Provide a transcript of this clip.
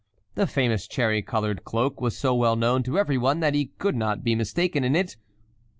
The famous cherry colored cloak was so well known to every one that he could not be mistaken in it.